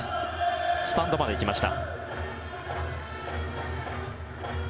スタンドまで行きました。